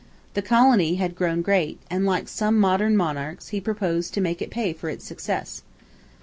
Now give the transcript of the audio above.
The colony had grown great, and, like some modern monarchs, he proposed to make it pay for its success.